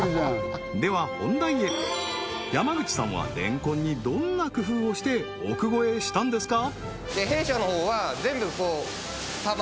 では本題へ山口さんはレンコンにどんな工夫をして億超えしたんですか？